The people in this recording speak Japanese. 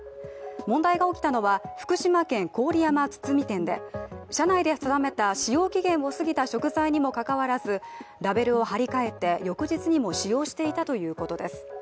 問題が起きたのは福島県郡山堤店で社内で定めた使用期限を過ぎた食材にもかかわらずラベルを貼り替えて翌日にも使用していたということです。